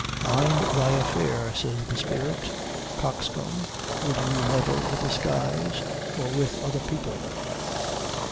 "Mind thy affair," says the spirit; "coxcomb, would you meddle with the skies, or with other people?"